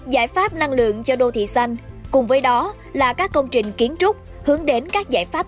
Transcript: giải pháp năng lượng cho đô thị xanh cùng với đó là các công trình kiến trúc hướng đến các giải pháp